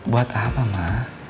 buat apa ma